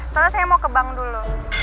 soalnya saya mau ke bank dulu